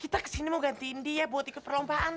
kita kesini mau gantiin dia buat ikut perlombaan